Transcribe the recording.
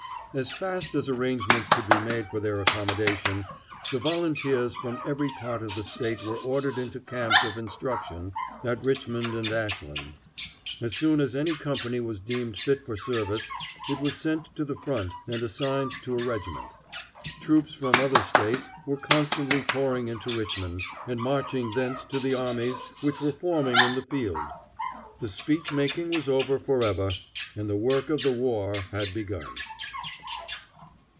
As fast as arrangements could be made for their accommodation, the volunteers from every part of the State were ordered into camps of instruction at Richmond and Ashland. As soon as any company was deemed fit for service, it was sent to the front and assigned to a regiment. Troops from other States were constantly pouring into Richmond, and marching thence to the armies which were forming in the field. The speech making was over forever, and the work of the war had begun.